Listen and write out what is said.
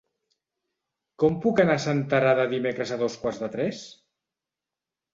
Com puc anar a Senterada dimecres a dos quarts de tres?